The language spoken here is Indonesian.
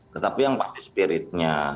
tetapi yang pasti spiritnya